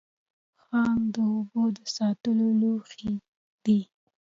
ښانک د اوبو د ساتلو لوښی دی